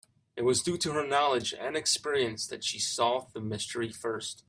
It was due to her knowledge and experience that she solved the mystery first.